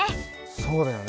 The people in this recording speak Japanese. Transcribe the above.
そうだよね。